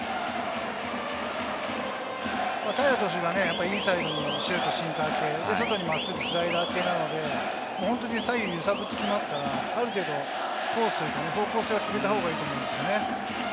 平良投手がね、インサイドにシュート、シンカー系、そして真っすぐスライダー系なので、左右揺さぶってきますから、ある程度、方向性を決めた方がいいと思いますね。